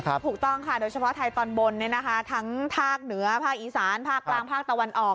ถูกต้องโดยเฉพาะไทยตอนบนทั้งทางเหนืออีสานฯตะวันออก